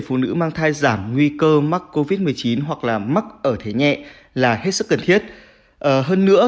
phụ nữ mang thai giảm nguy cơ mắc covid một mươi chín hoặc là mắc ở thế nhẹ là hết sức cần thiết hơn nữa